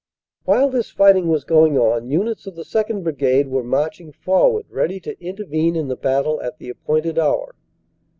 "While this fighting was going on units of the 2nd. Brigade were marching forward ready to intervene in the battle at the appointed hour.